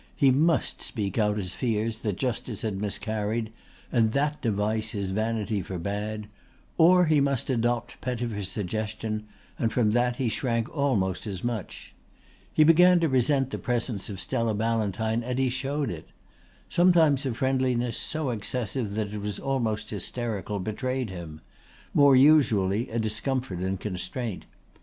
He must speak out his fears that justice had miscarried, and that device his vanity forbade; or he must adopt Pettifer's suggestion, and from that he shrank almost as much. He began to resent the presence of Stella Ballantyne and he showed it. Sometimes a friendliness, so excessive that it was almost hysterical, betrayed him; more usually a discomfort and constraint.